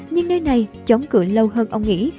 nhưng nơi này chống cử lâu hơn ông nghĩ